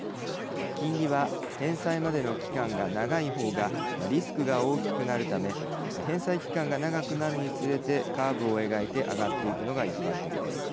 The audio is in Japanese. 金利は返済までの期間が長い方がリスクが大きくなるため返済期間が長くなるにつれてカーブを描いて上がっていくのが一般的です。